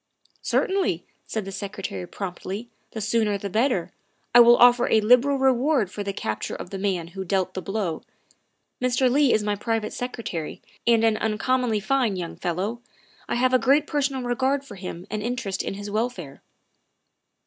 " Certainly," said the Secretary promptly, " the sooner the better. I will offer a liberal reward for the capture of the man who dealt the blow. Mr. Leigh is my private secretary and an uncommonly fine young fellow. I have a great personal regard for him and interest in his welfare."